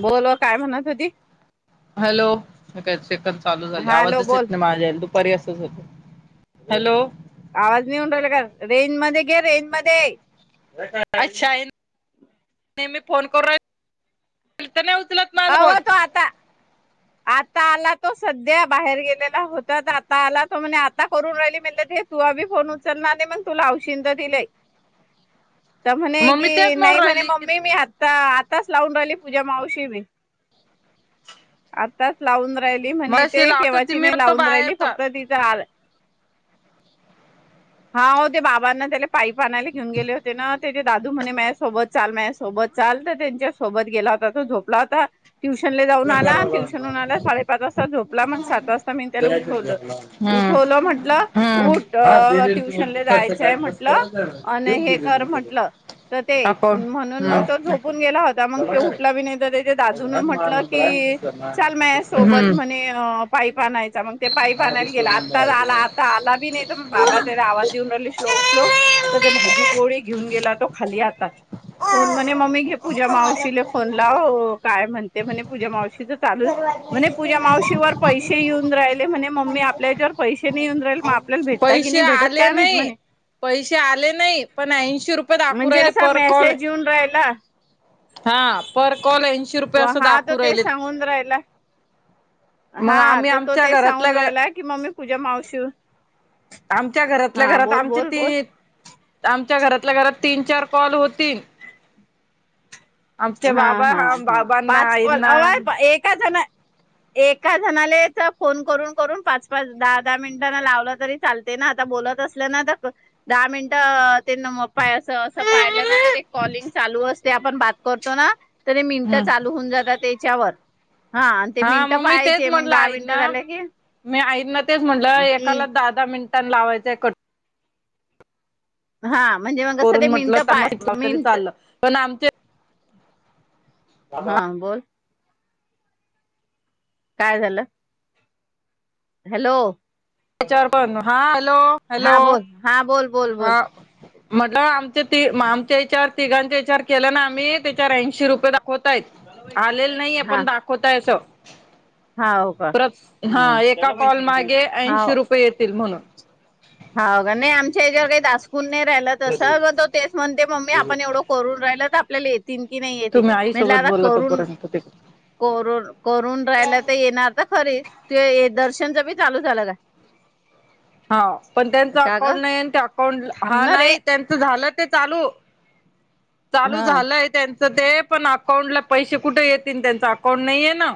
बोल काय म्हण त होती हॅलो काय चकन चालू झाले हॅलो आवाजच बोल येत नाही माझ्याु परसच होत हॅलो आवाज मिऊन राहिला का रेंज मध्ये घे रेंज मध्ये अच्छा नेहमी फोन करू नाही उचल हव तो आता आता आला तो सध्या बाहेर गेलेला होता आता आला तो म्हणजे आता करून राहिली म्हणे ते तू बी फोन उचलणार ते मग तुला लावशील तर तिलें तर म्हणे मग मी की तेच म्हणू नाही म्हणे राहिली की मम्मी मी आता आताच लावून राहिली पूजा मावशी बी आताच लावून राहिली म्हणे मगाशी ते लावत होती केव्हाची मी नाही पण तो लावून बाहेर राहिली होता फक्त तिच आर [unintelligible] [inaudible] हा हो ते बाबांना त्याला पाईप आणयला घेऊन गेले होते ना तेचे दादू म्हणे माझ्यासोबत चाल माझ्यासोबत चाल तर त्यांच्यासोबत गेला होता तो झोपला होता. ट्युशन ला जाऊन आला ट्युशनून आला साडेपाच वाजता झोपला मग सात वाजता मी त्याला उठवलं. उठवलं हम्म म्हंटलं हम्म उठ ट्युशनले जायचंय म्हटलं आणि हे कर म्हंटलं तर ते अकाउंट म्हणून मग तो झोपून हम्म गेला होता मग ते उठला बी नाही तर त्याच्या दाजून म्हटलं की चाल माये सोबत म्हणे पाइप आणायला मग ते पाईप आणयला गेला आत्ताच आला आता आला बी नाही. बाबा त्याला आवाज देऊन राहिली श्लोक, श्लोक तर ते भाजी पोळी घेऊन गेला तो खाली आताच कोन म्हणे मम्मी घे पूजा मावशीला फोन लाव काय म्हणते म्हणे पूजा मावशी चालू म्हणे पूजा मावशीवर पैसे येऊन राहिले म्हणे मम्मी आपल्याह्याच्यावर पैसे नाही येऊन राहील मग आपल्याला भेटता की पैसे नाही भेटत आले काय माहित नाही म्हणे? पैसे आले नाही पण ऐंशी रुपये दाखू राहिले परत तेच येऊन राहिला. हा पर कॉलेज हा तो तेच सांगून राहिला. मग हा आम्ही तर तो आमच्या ते सांगून घरातल्या राहिला कि मम्मी पूजा मावशी आमच्या घरातल्या हा घरात, बोल आमच्या बोल बोल तीन आमच्या घरातल्या घरात तीन चार कॉल होतील. आमचे हा बाबा हा हा बाबांना पाच काॅल आईंना अवाय एका जणा एका जणाला तर फोन करून करून पाच पाच दहा दहा मिनिटांना लावलं तरी चालते ना आता बोलत असल्या ना तर दहा मिनिटं अस असं पाहिलं ना तर एक कॉलिंग चालू असते. आपण बात करतो ना? तरी मिनटं हम्म चालू होऊन जातात त्याच्यावर हा आणि ते हा मिनटं मग मी तेच पाहायचे मग म्हटलं दहा मिनटं आईंना झाले की? मी आईंना तेच म्हटलं कि एकाला दहा दहा मिनिटां लावायचाय कट हा म्हणजे मग कसं ते करून म्हटलं मिनटं तर म पाय शिकव [unintelligible] तरी मिनट चाललं पण आमचे हा बोल काय झालं? हॅलो! याचावर बघ हा हॅलो! हां हॅलो बोल हां बोल बोल बोल हा म्हटलं आमच्या त आमच्या ह्याच्यावर तिघांच्या ह्याचावर केला ना आम्ही त्याच्यावर ऐंशी रुपये दाख होतायत, आलेल नाहीय हा आपण दाखवताय असं हाव का परत अ हा एका कॉल मागे ऐंशी रुपये येतील म्हणून हा का नाही आमच्या याच्यावर काही दासपून नाही राहिलं तसं तो तेच म्हणते मम्मी आपण एवढं करून राहिल तर आपल्याला येतील की नाही येतील तुम्ही म्हटलं आईसोबत आता बोला करून तोपर्यंत ते कर करून रायला तर येणार तर खरी ते दर्शनच बी चालू झालं ना हा पण का? त्यांचं का अकाउंट ग नाही ते अकाउंट हा थांबणार रे नाही त्यांचं झालं ते चालू चालू हा झालंय त्यांचं ते पण अकाउंट ला पैसे कुठे येतील त्यांच अकाउंट नाहीये ना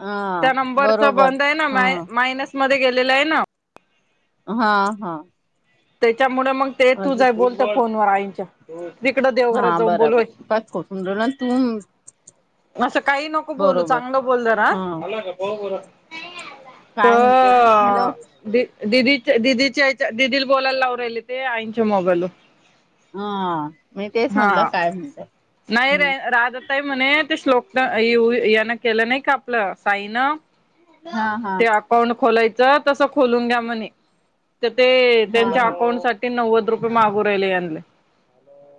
हा त्या नंबरचा बरोबर बंद आहे ना हा मा मायनस मध्ये गेलेला आहे ना हा हा त्याच्यामुळे मग ते तू जा अजून आहे बोलत फोन व आईच्या हा बराबर काच राहायला [unintelligible] तुम असं काही नको बोलू चांगलं बोल जरा हा आ [unintelligible] काय म्हणते? हॅलो. दि दिदीच्या दिदीच्याहित दिदीला बोलायला लावू राहिले ते आईच्या मोबाइलवर. हं. म तेच म्हणलं काय म्हणत. हम्. य म्हणे ते श्लोकण येऊ येणं केलं नाही का आपलं साईनं हा हा ते अकाउंट खोलायचं तस खोलून घ्या म्हणे तर ते - - हा त्यांच्या हा अकाऊंटसाठी नव्वद रुपये मागू राहिले ह्याले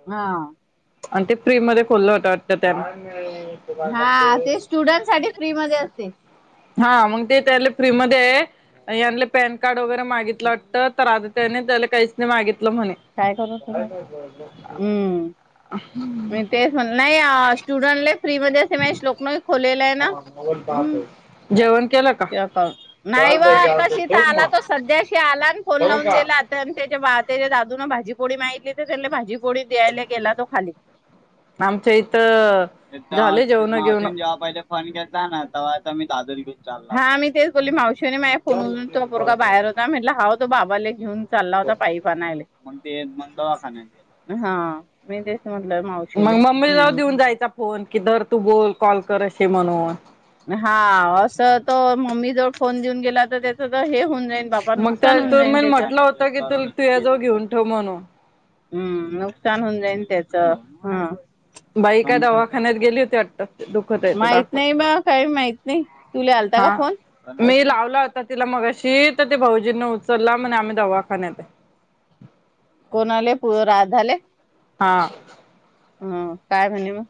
हा. आणि ते फ्री मध्ये खुल्लं होत वाटतं त्यांना हा ते स्टुडंट साठी फ्रीमध्ये असते. हा मग ते त्यांले फ्री मध्ये ह्याले पॅन कार्ड वगैरे मागितलं वाटतं तर आ - - त्याने त्याला काहीच नाही मागितलं म्हणे. काय करू तुझ्या हम्म मी [unintelligible] तेच नाही स्टुडंटले फ्री मध्ये ते माझ्या श्लोकन खोलेला आहे ना? हं. जेवण केलं का? ते अकाऊंट. नाही बा आताशी तर आला तो सध्याशी आला आणि फोन लावून दिला आता आणि त्याच्या बाच्या दा - - अजून भाजीपोडी माहितली तर त्याला भाजीपोडी द्यायला गेला तो खाली. आमच्या इथं झालं जेवण घेऊन. फोन केलताना तवा तुम्ही दादारी घेऊन चाल- बोली मावशीने माझ फोनून तो पोरगा बाहेर होता म्हटलं हाव तो बाबाला घेऊन चालला होता पाई आणाले. मग ते मग दवाखाान्यात. हं. [unintelligible] मा मग मम्मी ज देऊन जायचा फोन की दर तू बोल कॉल कर अशे म्हणून. हा असं त मम्मी जर फोन देऊन गेला तर त्याच तर हे होऊन जाईन बा मग त्या नुकसान होन तु जाईल मी त्याच. म्हटलं होतं की तु तुझ्याजवळ [inaudible] घेऊन ठेव म्हणून. हम्म. नुकसान होऊन जाईन त्याच. हं. बाई का दवाखान्यात गेली होती वाटतं. दु माहित नाही बा काही माहित नाही. तुला आलता का हा. फोन? मी लावला होता तिला मग अशी तर ते भाऊजींन उचलला म्हण आम्ही दवाखान्यात हाय. कोणा आले पुरा झाले. हा. ह. काय म्हणे मग.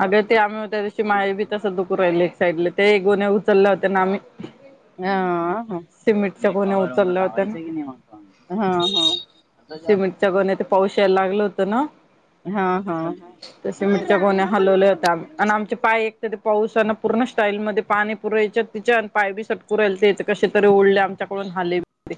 अगर ते आम्ही होत्या तशी माहे बी तस दुकु राहिल एक साईडला ते गोन्या उचलल्या होत्या ना आम्ही. हं, हां. सिमेंटच्या गोण्या कववर ववर उचलल्या होत्या ना. लावायचे की नाही माग सिमेंटच्या गोन्या ते पाऊश यायला लागलं होतं ना. हा हा हा तसे मिठच्या गोण्या्या हलवल्या होत्या आणि आमचे पाय - - पावसाना पूर्ण स्टाईल मध्ये पाणी पुरयच्या तिच्या पाय बी सटकु रायलेथे कसे तरी ओढले आम - - कडून हाले बी